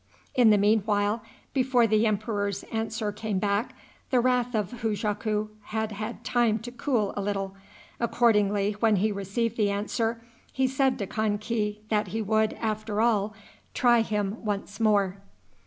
In the mean while, before the emperor's answer came back, the wrath of Hujaku had had time to cool a little. Accordingly, when he received the answer, he said to Kan ki that he would, after all, try him once more.